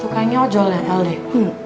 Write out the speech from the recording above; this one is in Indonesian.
tukangnya ojol ya el deh